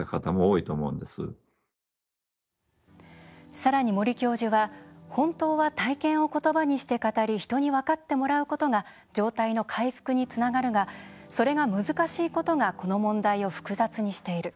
さらに森教授は本当は体験を言葉にして語り人に分かってもらうことが状態の回復につながるがそれが難しいことがこの問題を複雑にしている。